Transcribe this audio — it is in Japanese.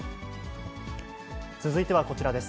続いてはこちらです。